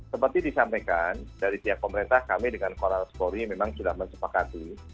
seperti disampaikan dari pihak pemerintah kami dengan koral spori memang sudah mensepakati